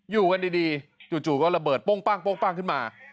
อยู่กันดีจู่ก็ระเบิดโป้งขึ้นมา